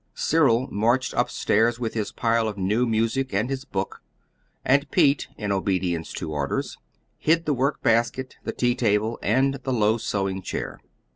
Cyril marched up stairs with his pile of new music and his book; and Pete, in obedience to orders, hid the workbasket, the tea table, and the low sewing chair.